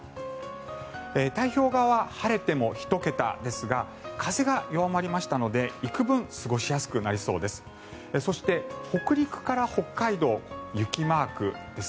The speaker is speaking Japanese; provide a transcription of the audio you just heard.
太平洋側は晴れても１桁ですが風が弱まりましたので、いくぶん過ごしやすくなりそうです。